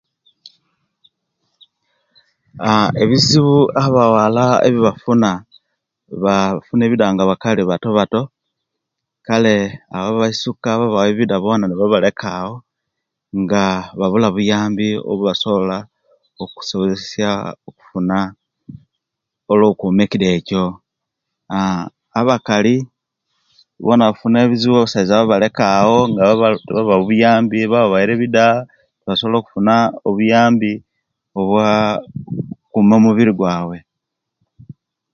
Aah ebizibu abawala ebyebafuna ba bafuna ebida nga bakali batobato kale awo abaisuka ababawa ebida bona babaleka awo nga babula buyambi obwebasobola okusobozesia okufuna olwokuma ekida echo aah abakali bona bafuna ebizibu abasaiza babaleka awo nga tebaba tebabawa buyambi ababawaire ebida tebasobola okufuna obuyambi obwa kuma omubire gwaiwe